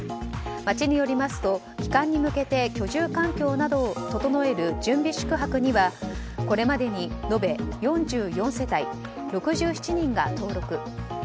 町によりますと帰還に向けて居住環境などを整える、準備宿泊にはこれまでに延べ４４世帯６７人が登録。